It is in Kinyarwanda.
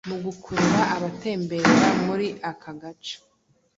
mu gukurura abatemberera muri aka gace